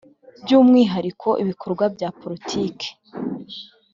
byu umwihariko ibikorwa bya politiki